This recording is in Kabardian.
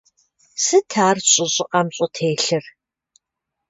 Сыт ар щӀы щӀыӀэм щӀытелъыр?